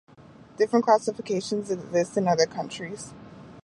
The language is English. Different classifications exist in other countries.